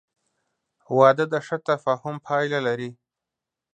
• واده د ښه تفاهم پایله لري.